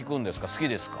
好きですか？